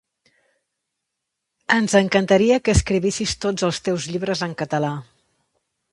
Ens encantaria que escrivissis tots els teus llibres en català